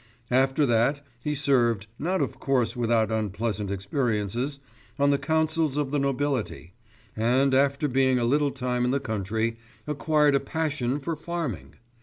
After that, he served, not of course without unpleasant experiences, on the councils of the nobility, and after being a little time in the country, acquired a passion for farming.